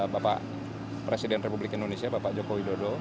bapak presiden republik indonesia bapak joko widodo